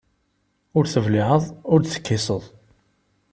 Ur tebliɛeḍ ur d-tekkiseḍ.